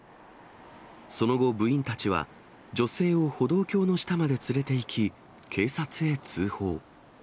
その後、部員たちは女性を歩道橋の下まで連れていき、警察へ通報。